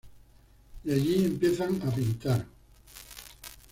Y allí empiezan a pintar.